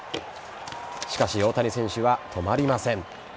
しかし、大谷選手は止まりません。